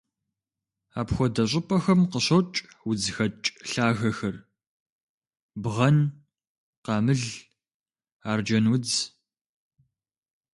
Апхуэдэ щӀыпӀэхэм къыщокӀ удзхэкӀ лъагэхэр: бгъэн, къамыл, арджэнудз.